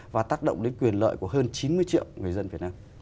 và tác động đến quyền lợi của hơn chín mươi triệu người dân việt nam